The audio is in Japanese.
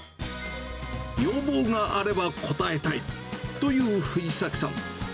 要望があれば応えたいという藤崎さん。